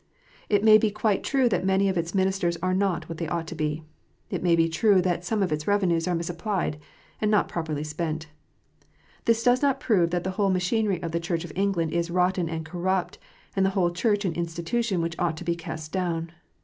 It may be quite true that many of its ministers are not what they ought to be. It may be true that some of its revenues are misapplied, and not properly spent. This does not prove that the whole machinery of the Church of England is rotten and corrupt, and the whole Church an institution which ought to be cast down.